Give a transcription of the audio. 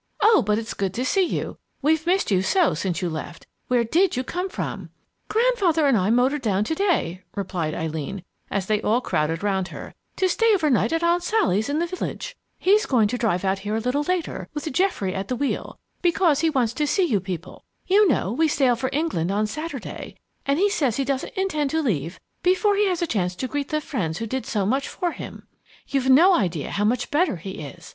"Oh, but it's good to see you! We've missed you so since you left. Where did you come from?" "Grandfather and I motored down to day," replied Eileen, as they all crowded round her, "to stay over night at Aunt Sally's in the village. He's going to drive out here a little later, with Geoffrey at the wheel, because he wants to see you people. You know, we sail for England on Saturday, and he says he doesn't intend to leave before he has a chance to greet the friends who did so much for him! You've no idea how much better he is!